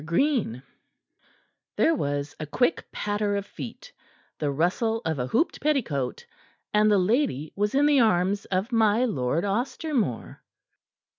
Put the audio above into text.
GREEN There was a quick patter of feet, the rustle of a hooped petticoat, and the lady was in the arms of my Lord Ostermore.